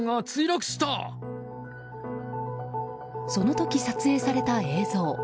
その時、撮影された映像。